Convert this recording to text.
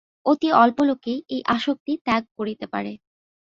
অতি অল্প লোকেই এই আসক্তি ত্যাগ করিতে পারে।